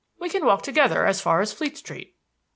We can walk together as far as Fleet Street."